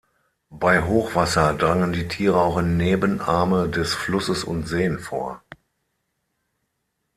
Bei Hochwasser drangen die Tiere auch in Nebenarme des Flusses und Seen vor.